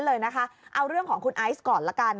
เอาเรื่องของคุณไอส์ก่อน